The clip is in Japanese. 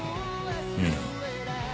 うん。